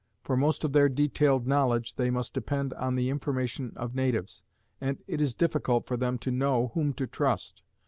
For most of their detailed knowledge they must depend on the information of natives, and it is difficult for them to know whom to trust.